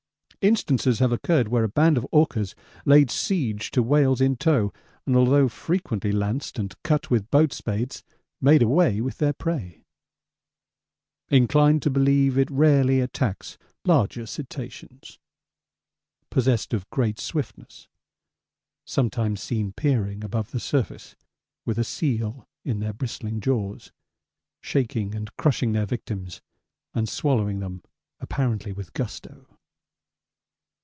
Instances have occurred where a band of orcas laid siege to whales in tow, and although frequently lanced and cut with boat spades, made away with their prey. Inclined to believe it rarely attacks larger cetaceans. Possessed of great swiftness. Sometimes seen peering above the surface with a seal in their bristling jaws, shaking and crushing their victims and swallowing them apparently with gusto.